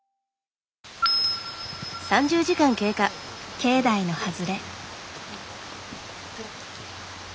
境内の外れ。